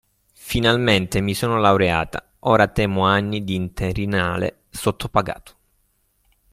Finalmente mi sono laureata, ora temo anni di interinale sottopagato.